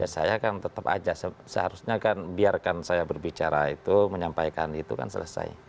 saya kan tetap aja seharusnya kan biarkan saya berbicara itu menyampaikan itu kan selesai